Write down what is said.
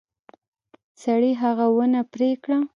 سړي هغه ونه پرې کړه.